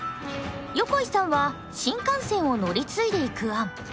横井さんは新幹線を乗り継いでいく案。